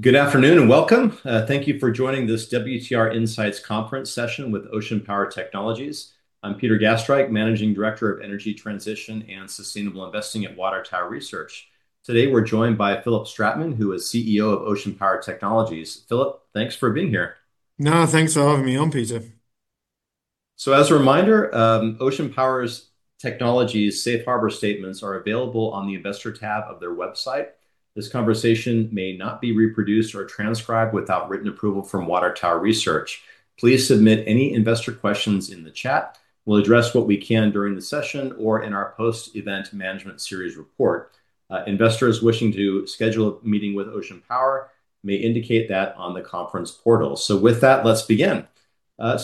Good afternoon and welcome. Thank you for joining this WTR Insights conference session with Ocean Power Technologies. I'm Peter Gastreich, Managing Director of Energy Transition and Sustainable Investing at Water Tower Research. Today, we're joined by Philipp Stratmann, who is CEO of Ocean Power Technologies. Philip, thanks for being here. No, thanks for having me on, Peter. As a reminder, Ocean Power Technologies' safe harbor statements are available on the investor tab of their website. This conversation may not be reproduced or transcribed without written approval from Water Tower Research. Please submit any investor questions in the chat. We'll address what we can during the session or in our post-event management series report. Investors wishing to schedule a meeting with Ocean Power may indicate that on the conference portal. With that, let's begin.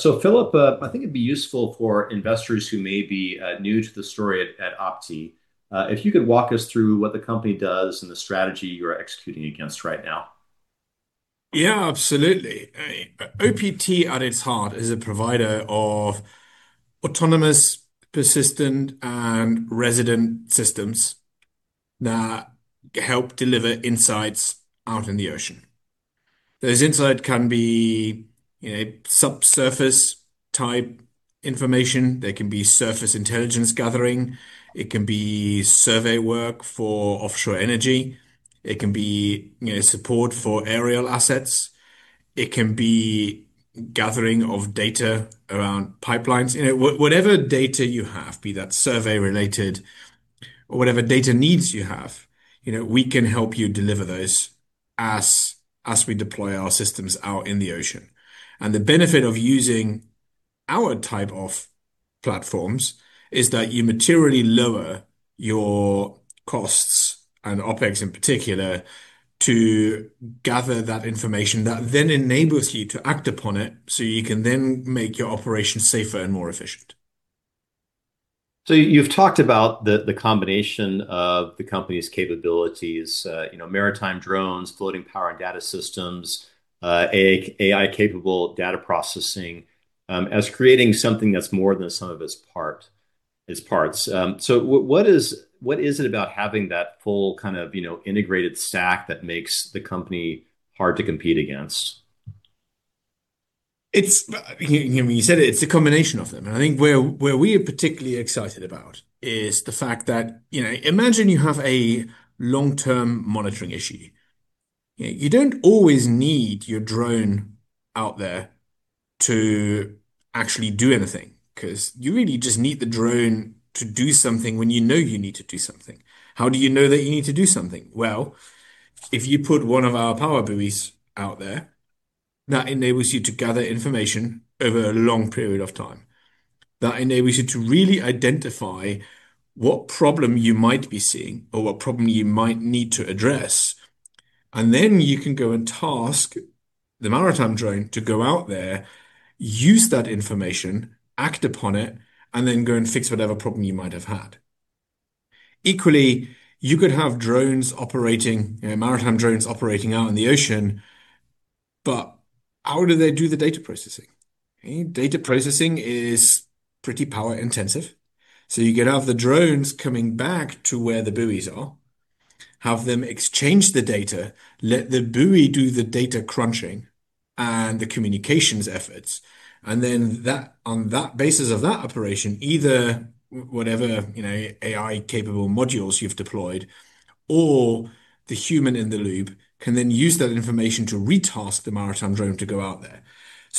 Philipp, I think it'd be useful for investors who may be new to the story at OPT, if you could walk us through what the company does and the strategy you're executing against right now. Yeah, absolutely. OPT, at its heart, is a provider of autonomous, persistent, and resident systems that help deliver insights out in the ocean. Those insights can be subsurface type information. They can be surface intelligence gathering. It can be survey work for offshore energy. It can be support for aerial assets. It can be gathering of data around pipelines. Whatever data you have, be that survey-related or whatever data needs you have, we can help you deliver those as we deploy our systems out in the ocean. The benefit of using our type of platforms is that you materially lower your costs, and OPEX in particular, to gather that information that then enables you to act upon it, so you can then make your operation safer and more efficient. You've talked about the combination of the company's capabilities, maritime drones, floating power and data systems, AI-capable data processing, as creating something that's more than the sum of its parts. What is it about having that full kind of integrated stack that makes the company hard to compete against? You said it's a combination of them. I think where we are particularly excited about is the fact that, imagine you have a long-term monitoring issue. You don't always need your drone out there to actually do anything, because you really just need the drone to do something when you know you need to do something. How do you know that you need to do something? Well, if you put one of our PowerBuoys out there, that enables you to gather information over a long period of time. That enables you to really identify what problem you might be seeing or what problem you might need to address. You can go and task the maritime drone to go out there, use that information, act upon it, and then go and fix whatever problem you might have had. Equally, you could have maritime drones operating out in the ocean, but how do they do the data processing? Data processing is pretty power intensive. You could have the drones coming back to where the buoys are, have them exchange the data, let the buoy do the data crunching and the communications efforts, and then on that basis of that operation, either whatever AI-capable modules you've deployed or the human in the loop can then use that information to retask the maritime drone to go out there.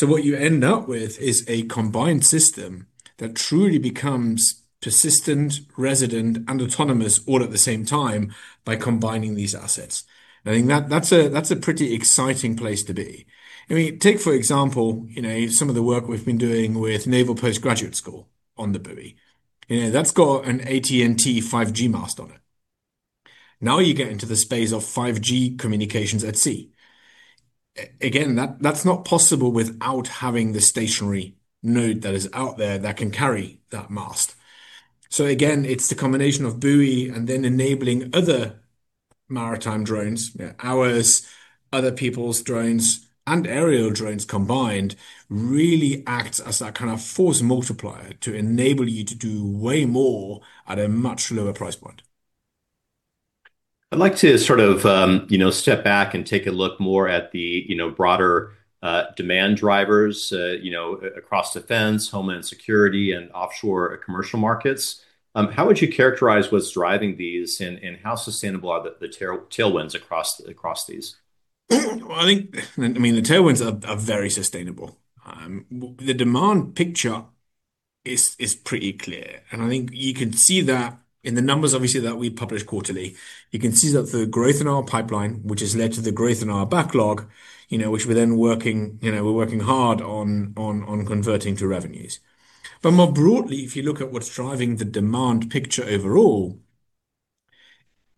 What you end up with is a combined system that truly becomes persistent, resident, and autonomous all at the same time by combining these assets. I think that's a pretty exciting place to be. Take, for example, some of the work we've been doing with Naval Postgraduate School on the buoy. That's got an AT&T 5G mast on it. Now you get into the space of 5G communications at sea. Again, that's not possible without having the stationary node that is out there that can carry that mast. Again, it's the combination of buoy and then enabling other maritime drones, ours, other people's drones, and aerial drones combined, really acts as that kind of force multiplier to enable you to do way more at a much lower price point. I'd like to sort of step back and take a look more at the broader demand drivers across Defense, Homeland Security, and offshore commercial markets. How would you characterize what's driving these, and how sustainable are the tailwinds across these? Well, the tailwinds are very sustainable. The demand picture is pretty clear, and I think you can see that in the numbers, obviously, that we publish quarterly. You can see that the growth in our pipeline, which has led to the growth in our backlog, which we're then working hard on converting to revenues. More broadly, if you look at what's driving the demand picture overall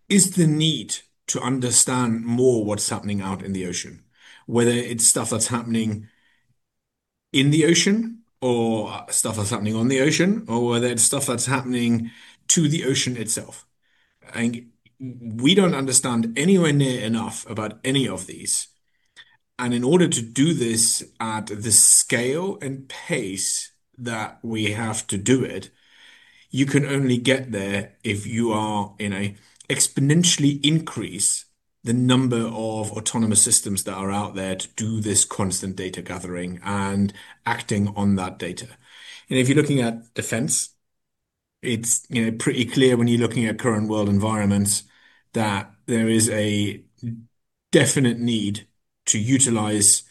is the need to understand more what's happening out in the ocean, whether it's stuff that's happening in the ocean or stuff that's happening on the ocean, or whether it's stuff that's happening to the ocean itself. We don't understand anywhere near enough about any of these. In order to do this at the scale and pace that we have to do it, you can only get there if you're gonna exponentially increase the number of autonomous systems that are out there to do this constant data gathering and acting on that data. If you're looking at defense, it's pretty clear when you're looking at current world environments that there is a definite need to utilize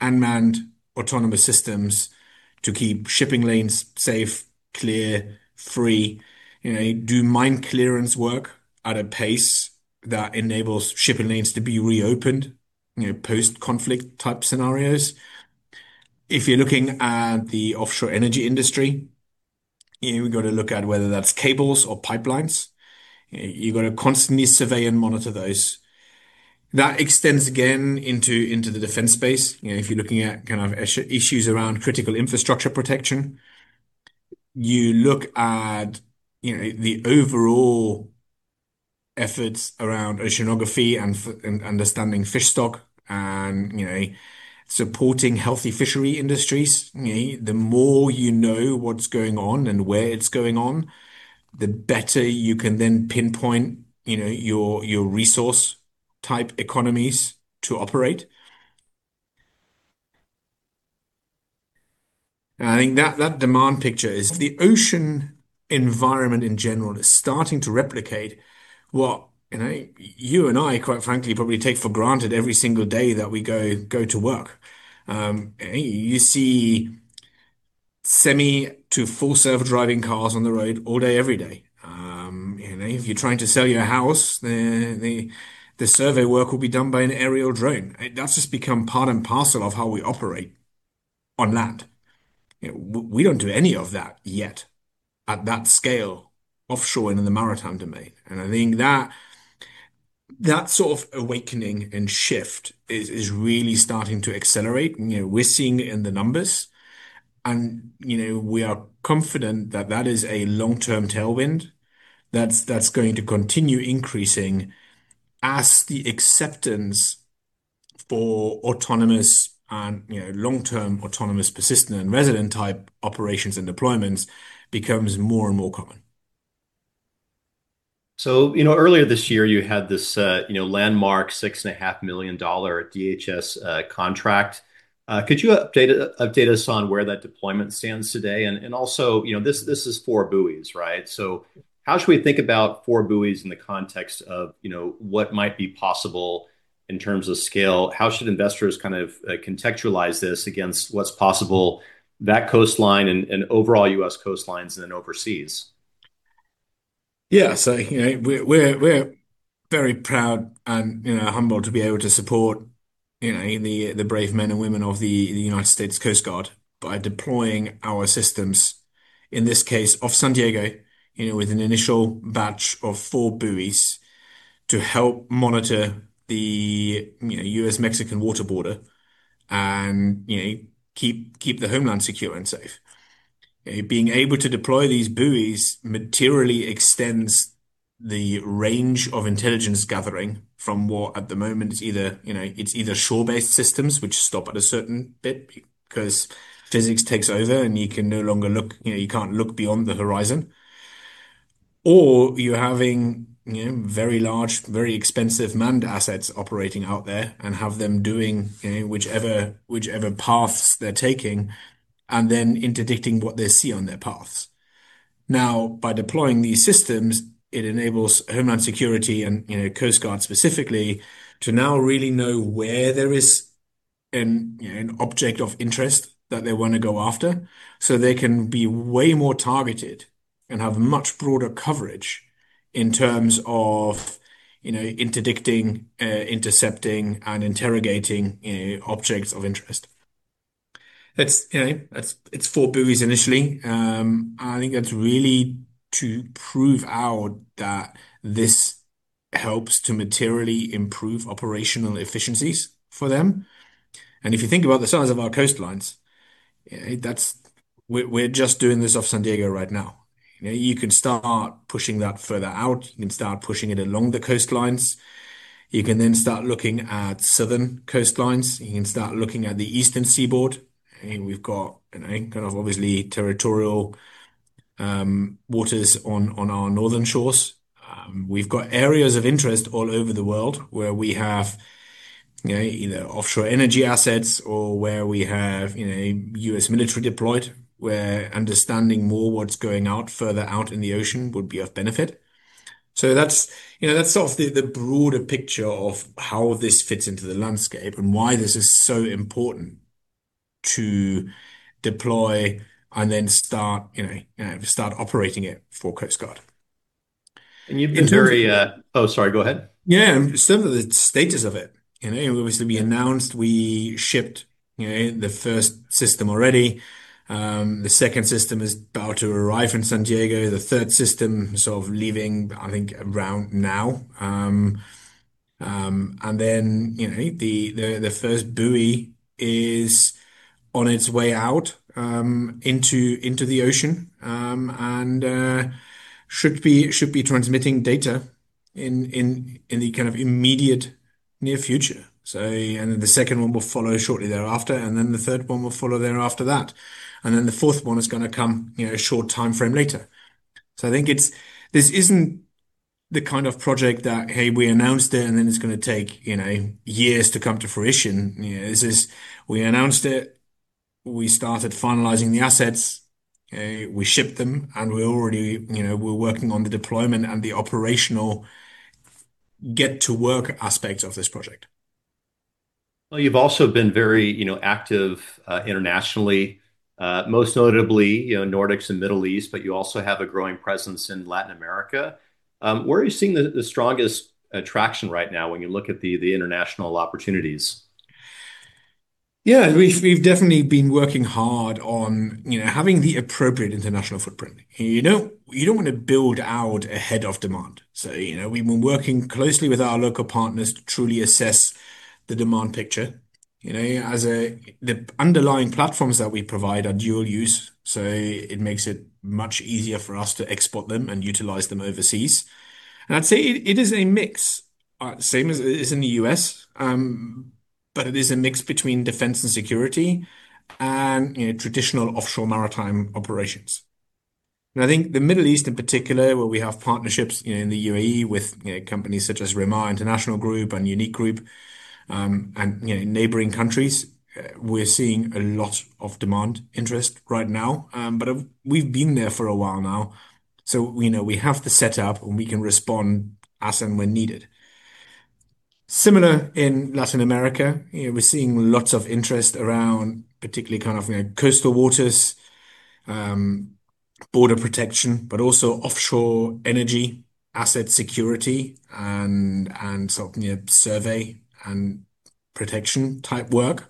unmanned autonomous systems to keep shipping lanes safe, clear, free, do mine clearance work at a pace that enables shipping lanes to be reopened, post-conflict type scenarios. If you're looking at the offshore energy industry, you've got to look at whether that's cables or pipelines. You've got to constantly survey and monitor those. That extends again into the defense space. If you're looking at kind of issues around critical infrastructure protection, you look at the overall efforts around oceanography and understanding fish stock and supporting healthy fishery industries. The more you know what's going on and where it's going on, the better you can then pinpoint your resource type economies to operate. I think that demand picture, the ocean environment in general, is starting to replicate what you and I, quite frankly, probably take for granted every single day that we go to work. You see semi to full self-driving cars on the road all day, every day. If you're trying to sell your house, the survey work will be done by an aerial drone. That's just become part and parcel of how we operate on land. We don't do any of that yet at that scale offshore and in the maritime domain. I think that sort of awakening and shift is really starting to accelerate. We're seeing it in the numbers, and we are confident that that is a long-term tailwind that's going to continue increasing as the acceptance for autonomous and long-term autonomous, persistent and resident type operations and deployments becomes more and more common. Earlier this year, you had this landmark $6.5 million DHS contract. Could you update us on where that deployment stands today? This is four buoys, right? How should we think about four buoys in the context of what might be possible in terms of scale? How should investors kind of contextualize this against what's possible, that coastline and overall U.S. coastlines and then overseas? Yeah. We're very proud and humbled to be able to support the brave men and women of the United States Coast Guard by deploying our systems, in this case, off San Diego, with an initial batch of four buoys to help monitor the U.S.-Mexican water border and keep the homeland secure and safe. Being able to deploy these buoys materially extends the range of intelligence gathering from what, at the moment, it's either shore-based systems, which stop at a certain point because physics takes over and you can no longer look, you can't look beyond the horizon. You're having very large, very expensive manned assets operating out there and have them doing whichever paths they're taking and then interdicting what they see on their paths. Now, by deploying these systems, it enables Homeland Security and Coast Guard specifically, to now really know where there is an object of interest that they want to go after, so they can be way more targeted and have much broader coverage in terms of interdicting, intercepting, and interrogating objects of interest. It's four buoys initially. I think that's really to prove out that this helps to materially improve operational efficiencies for them. If you think about the size of our coastlines, we're just doing this off San Diego right now. You can start pushing that further out. You can start pushing it along the coastlines. You can then start looking at southern coastlines. You can start looking at the eastern seaboard. We've got, kind of, obviously, territorial waters on our northern shores. We've got areas of interest all over the world where we have either offshore energy assets or where we have U.S. military deployed, where understanding more what's going out further out in the ocean would be of benefit. That's sort of the broader picture of how this fits into the landscape and why this is so important to deploy and then start operating it for Coast Guard. Oh, sorry. Go ahead. Yeah. Some of the status of it. Obviously, we announced we shipped the first system already. The second system is about to arrive in San Diego. The third system sort of leaving, I think, around now. Then, the first buoy is on its way out into the ocean, and should be transmitting data in the kind of immediate near future. The second one will follow shortly thereafter, and then the third one will follow thereafter that, and then the fourth one is going to come a short timeframe later. I think this isn't the kind of project that, hey, we announced it, and then it's going to take years to come to fruition. This is, we announced it, we started finalizing the assets, we shipped them, and we're working on the deployment and the operational get to work aspect of this project. Well, you've also been very active internationally. Most notably, Nordics and Middle East, but you also have a growing presence in Latin America. Where are you seeing the strongest attraction right now when you look at the international opportunities? Yeah. We've definitely been working hard on having the appropriate international footprint. You don't want to build out ahead of demand. We've been working closely with our local partners to truly assess the demand picture. As the underlying platforms that we provide are dual-use, so it makes it much easier for us to export them and utilize them overseas. I'd say it is a mix, same as it is in the U.S., but it is a mix between defense and security and traditional offshore maritime operations. I think the Middle East in particular, where we have partnerships in the UAE with companies such as Remah International Group and Unique Group, and neighboring countries, we're seeing a lot of demand interest right now. We've been there for a while now, so we have the setup, and we can respond as and when needed. Similar in Latin America. We're seeing lots of interest around particularly kind of coastal waters, border protection, but also offshore energy asset security and sort of survey and protection type work.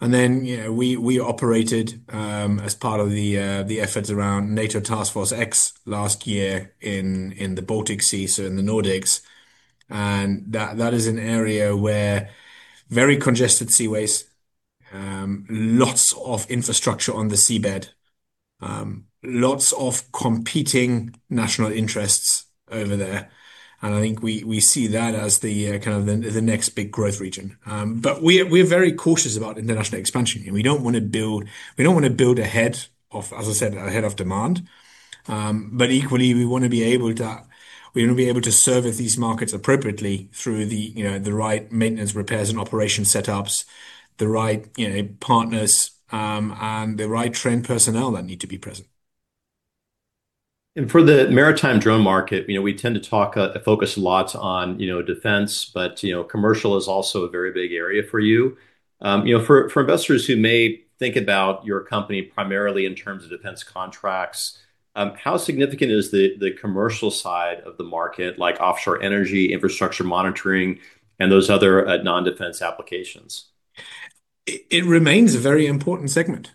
Then we operated as part of the efforts around NATO Task Force X last year in the Baltic Sea, so in the Nordics. That is an area where very congested seaways, lots of infrastructure on the seabed, lots of competing national interests over there. I think we see that as the kind of the next big growth region. We're very cautious about international expansion. We don't want to build ahead of, as I said, ahead of demand. Equally, we want to be able to service these markets appropriately through the right maintenance, repairs, and operation setups, the right partners, and the right trained personnel that need to be present. For the maritime drone market, we tend to talk, focus lots on defense but commercial is also a very big area for you. For investors who may think about your company primarily in terms of defense contracts, how significant is the commercial side of the market, like offshore energy, infrastructure monitoring, and those other non-defense applications? It remains a very important segment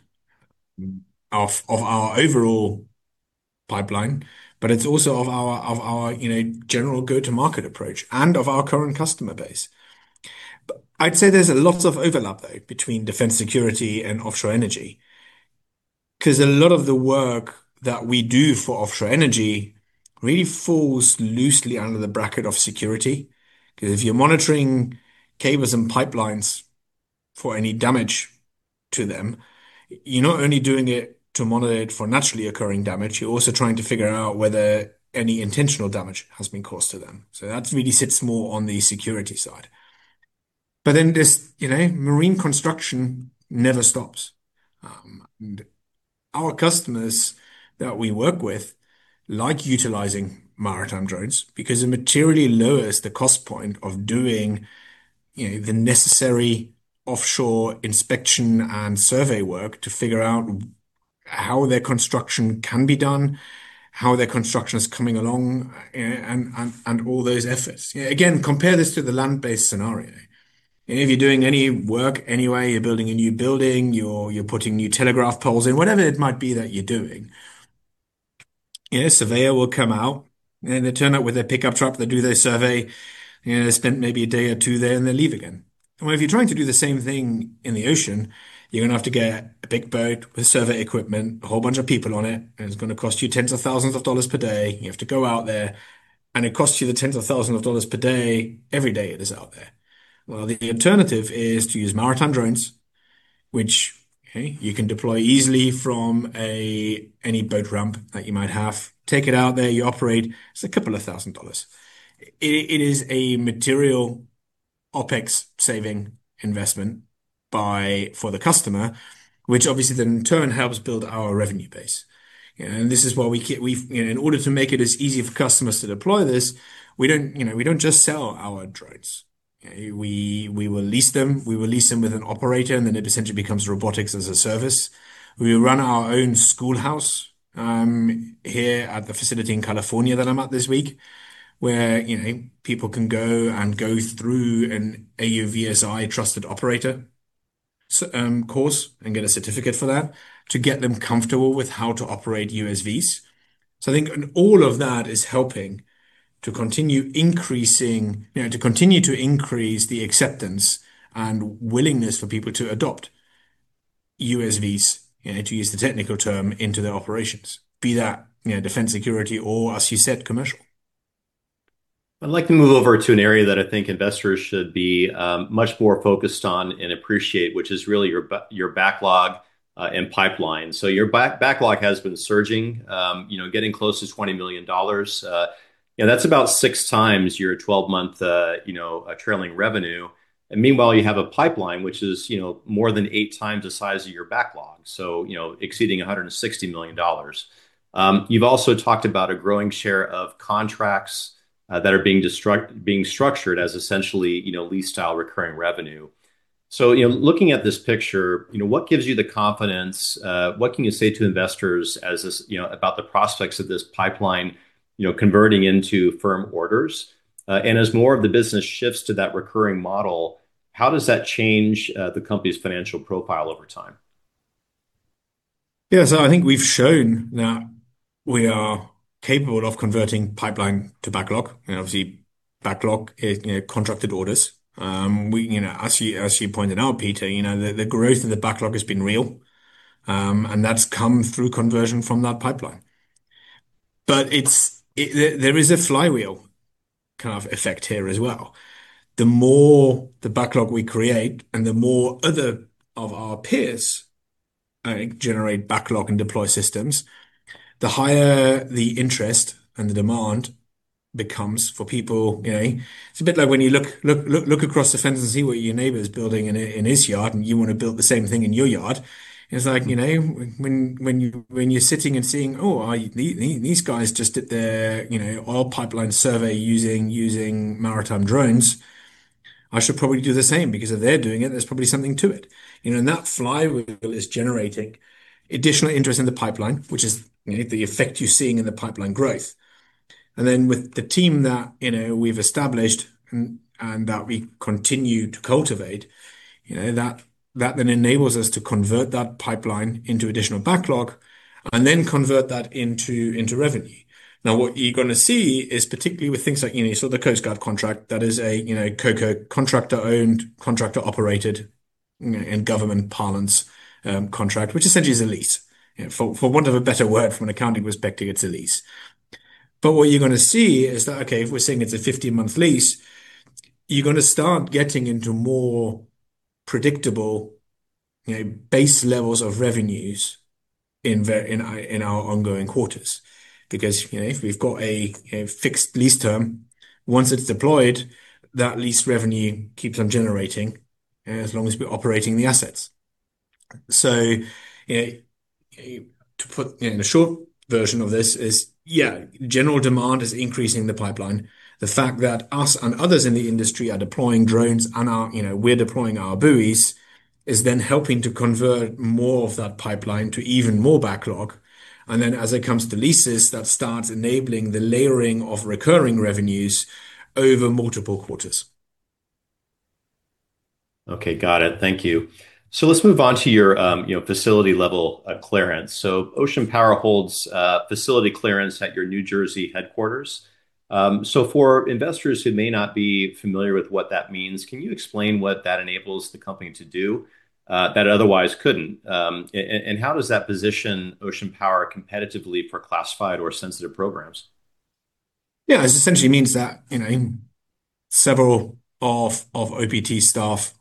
of our overall pipeline, but it's also of our general go-to-market approach and of our current customer base. I'd say there's a lot of overlap, though, between defense security and offshore energy. Because a lot of the work that we do for offshore energy really falls loosely under the bracket of security. Because if you're monitoring cables and pipelines for any damage to them, you're not only doing it to monitor it for naturally occurring damage, you're also trying to figure out whether any intentional damage has been caused to them. That really sits more on the security side. Then there's marine construction never stops. Our customers that we work with like utilizing maritime drones because it materially lowers the cost point of doing the necessary offshore inspection and survey work to figure out how their construction can be done, how their construction is coming along, and all those efforts. Again, compare this to the land-based scenario. If you're doing any work anywhere, you're building a new building, you're putting new telegraph poles in, whatever it might be that you're doing, a surveyor will come out, and they turn up with a pickup truck. They do their survey, they spend maybe a day or two there, and they leave again. Well, if you're trying to do the same thing in the ocean, you're going to have to get a big boat with survey equipment, a whole bunch of people on it, and it's going to cost you tens of thousands of dollars per day. You have to go out there, and it costs you tens of thousands of dollars per day every day it is out there. Well, the alternative is to use maritime drones, which you can deploy easily from any boat ramp that you might have. Take it out there. You operate. It's a couple of thousand dollars. It is a material OPEX saving investment for the customer, which obviously then in turn helps build our revenue base. This is why in order to make it as easy for customers to deploy this, we don't just sell our drones. We will lease them. We will lease them with an operator, and then it essentially becomes robotics as a service. We run our own schoolhouse here at the facility in California that I'm at this week, where people can go and go through an AUVSI trusted operator course and get a certificate for that to get them comfortable with how to operate USVs. I think all of that is helping to continue to increase the acceptance and willingness for people to adopt USVs, to use the technical term, into their operations, be that defense security or, as you said, commercial. I'd like to move over to an area that I think investors should be much more focused on and appreciate, which is really your backlog and pipeline. Your backlog has been surging, getting close to $20 million. That's about 6x your twelve-month trailing revenue. Meanwhile, you have a pipeline which is more than 8x the size of your backlog, so exceeding $160 million. You've also talked about a growing share of contracts that are being structured as essentially lease-style recurring revenue. In looking at this picture, what gives you the confidence, what can you say to investors about the prospects of this pipeline converting into firm orders? As more of the business shifts to that recurring model, how does that change the company's financial profile over time? Yeah. I think we've shown that we are capable of converting pipeline to backlog. Obviously backlog is contracted orders. As you pointed out, Peter, the growth of the backlog has been real, and that's come through conversion from that pipeline. There is a flywheel kind of effect here as well. The more the backlog we create, and the more other of our peers generate backlog and deploy systems, the higher the interest and the demand becomes for people. It's a bit like when you look across the fence and see what your neighbor's building in his yard and you want to build the same thing in your yard. It's like, when you're sitting and seeing, "Oh, these guys just did their oil pipeline survey using maritime drones. I should probably do the same because if they're doing it, there's probably something to it." That flywheel is generating additional interest in the pipeline, which is the effect you're seeing in the pipeline growth. With the team that we've established and that we continue to cultivate, that then enables us to convert that pipeline into additional backlog and then convert that into revenue. Now what you're going to see is, particularly with things like the Coast Guard contract, that is a COCO, contractor-owned, contractor-operated, in government parlance, contract, which essentially is a lease. For want of a better word from an accounting perspective, it's a lease. But what you're going to see is that, okay, if we're saying it's a 15-month lease, you're going to start getting into more predictable base levels of revenues in our ongoing quarters. Because if we've got a fixed lease term, once it's deployed, that lease revenue keeps on generating as long as we're operating the assets. To put in a short version of this is, yeah, general demand is increasing the pipeline. The fact that us and others in the industry are deploying drones and we're deploying our buoys is then helping to convert more of that pipeline to even more backlog. As it comes to leases, that starts enabling the layering of recurring revenues over multiple quarters. Okay, got it. Thank you. Let's move on to your facility-level clearance. Ocean Power holds a facility clearance at your New Jersey headquarters. For investors who may not be familiar with what that means, can you explain what that enables the company to do that it otherwise couldn't? How does that position Ocean Power competitively for classified or sensitive programs? Yeah. This essentially means that several of OPT staff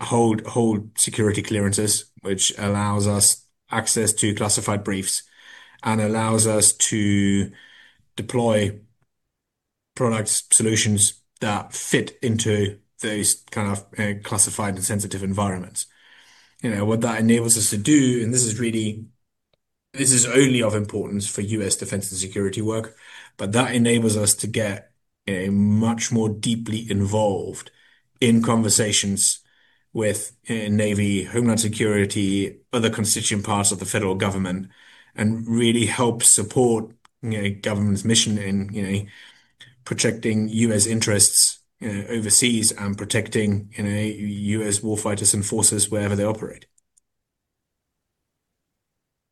hold security clearances, which allows us access to classified briefs and allows us to deploy product solutions that fit into those kind of classified and sensitive environments. What that enables us to do, and this is only of importance for U.S. defense and security work, but that enables us to get much more deeply involved in conversations with Navy, Homeland Security, other constituent parts of the federal government, and really help support government's mission in protecting U.S. interests overseas and protecting any U.S. warfighters and forces wherever they operate.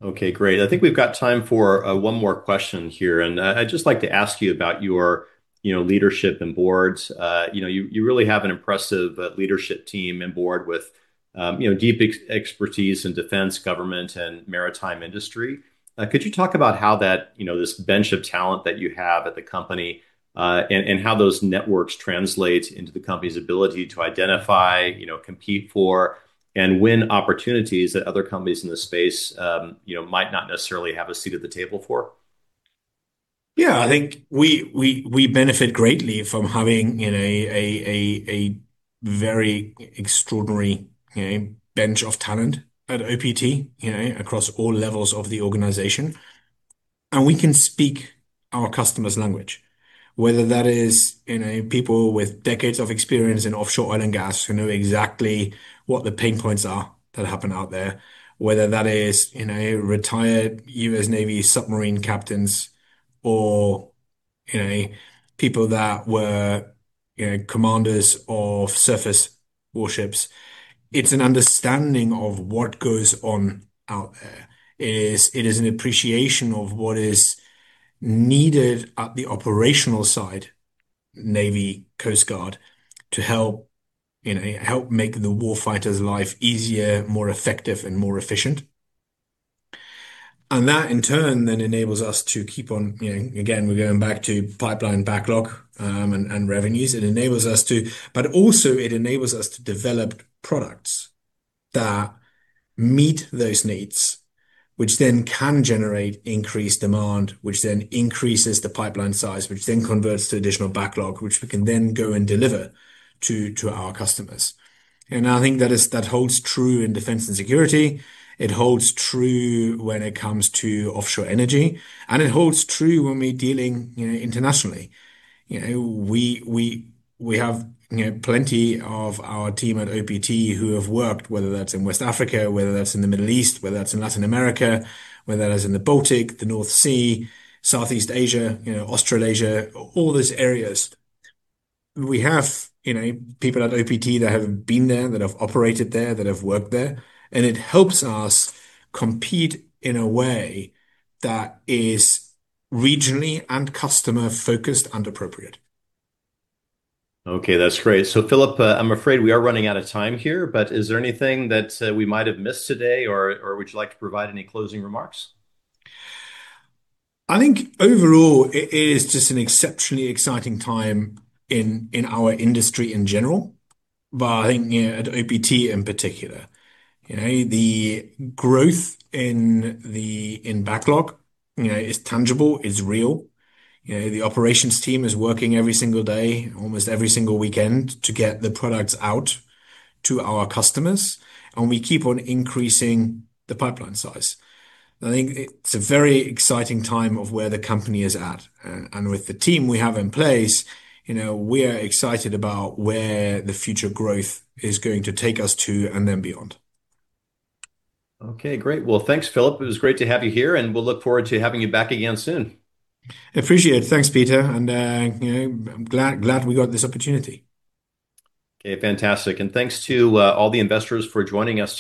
Okay, great. I think we've got time for one more question here, and I'd just like to ask you about your leadership and boards. You really have an impressive leadership team and board with deep expertise in defense, government, and maritime industry. Could you talk about how this bench of talent that you have at the company, and how those networks translate into the company's ability to identify, compete for, and win opportunities that other companies in this space might not necessarily have a seat at the table for? Yeah. I think we benefit greatly from having a very extraordinary bench of talent at OPT, across all levels of the organization. We can speak our customer's language. Whether that is people with decades of experience in offshore oil and gas who know exactly what the pain points are that happen out there, whether that is retired US Navy submarine captains or people that were commanders of surface warships. It's an understanding of what goes on out there. It is an appreciation of what is needed at the operational side, Navy, Coast Guard to help make the war fighter's life easier, more effective, and more efficient. That in turn then enables us to keep on, again, we're going back to pipeline backlog, and revenues. Also it enables us to develop products that meet those needs, which then can generate increased demand, which then increases the pipeline size, which then converts to additional backlog, which we can then go and deliver to our customers. I think that holds true in defense and security. It holds true when it comes to offshore energy, and it holds true when we're dealing internationally. We have plenty of our team at OPT who have worked, whether that's in West Africa, whether that's in the Middle East, whether that's in Latin America, whether that is in the Baltic, the North Sea, Southeast Asia, Australasia, all those areas. We have people at OPT that have been there, that have operated there, that have worked there, and it helps us compete in a way that is regionally and customer-focused and appropriate. Okay, that's great. Philipp, I'm afraid we are running out of time here, but is there anything that we might have missed today or would you like to provide any closing remarks? I think overall, it is just an exceptionally exciting time in our industry in general, but I think at OPT in particular. The growth in backlog is tangible, is real. The operations team is working every single day, almost every single weekend, to get the products out to our customers, and we keep on increasing the pipeline size. I think it's a very exciting time of where the company is at. With the team we have in place, we are excited about where the future growth is going to take us to and then beyond. Okay, great. Well, thanks, Philipp. It was great to have you here, and we'll look forward to having you back again soon. Appreciate it. Thanks, Peter, and I'm glad we got this opportunity. Okay, fantastic. Thanks to all the investors for joining us.